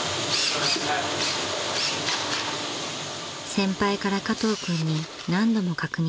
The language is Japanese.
［先輩から加藤君に何度も確認］